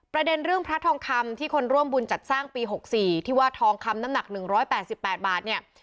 ประเด็นเรื่องพระทองคำที่คนร่วมบุญจัดสร้างปี๖๔ที่ว่าทองคำน้ำหนัก๑๘๘บาทเนี่ย